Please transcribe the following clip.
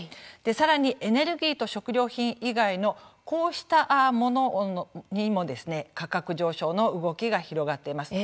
さらにエネルギーと食料品以外のこうしたものにもですね価格上昇の動きが広がっています。